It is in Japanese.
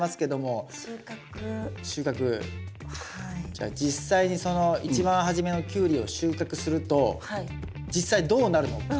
じゃあ実際にその一番初めのキュウリを収穫すると実際どうなるのか？